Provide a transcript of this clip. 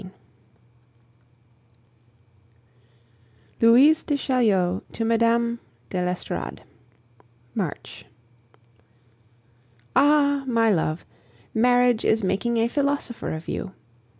XV. LOUISE DE CHAULIEU TO MME. DE L'ESTORADE March. Ah! my love, marriage is making a philosopher of you!